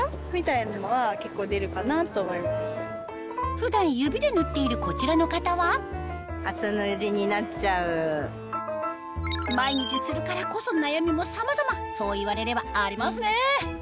普段指で塗っているこちらの方は毎日するからこそ悩みもさまざまそう言われればありますね